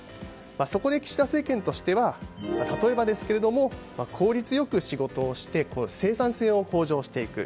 そこで岸田政権としては例えばですが効率よく仕事をして生産性を向上していく。